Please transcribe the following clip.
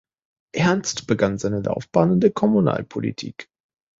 Ernst begann seine Laufbahn in der Kommunalpolitik.